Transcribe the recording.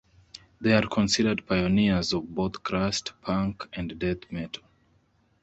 They are considered pioneers of both crust punk and death metal.